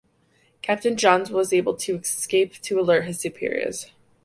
Captain Johns was able to escape to alert his superiors.